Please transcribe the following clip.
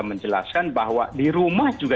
menjelaskan bahwa di rumah juga